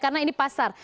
karena ini pasar